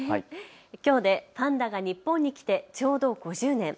きょうでパンダが日本に来てちょうど５０年。